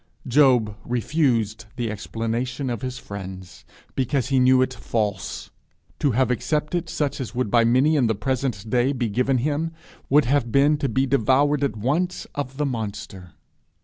Job refused the explanation of his friends because he knew it false; to have accepted such as would by many in the present day be given him, would have been to be devoured at once of the monster.